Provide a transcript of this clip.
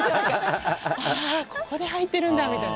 ああ、ここで入ってるんだって。